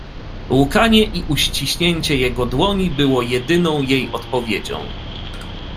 "Łkanie i uściśnięcie jego dłoni był jedyną jej odpowiedzią."